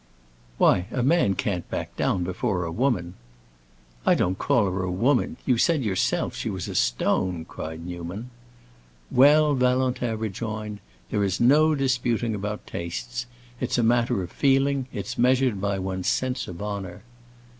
"Why, a man can't back down before a woman." "I don't call her a woman. You said yourself she was a stone," cried Newman. "Well," Valentin rejoined, "there is no disputing about tastes. It's a matter of feeling; it's measured by one's sense of honor."